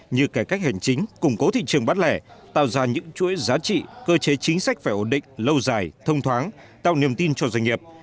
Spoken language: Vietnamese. như cải cách hành chính củng cố thị trường bán lẻ tạo ra những chuỗi giá trị cơ chế chính sách phải ổn định lâu dài thông thoáng tạo niềm tin cho doanh nghiệp